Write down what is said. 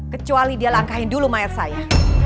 kecuali dia langkahin dulu mayat saya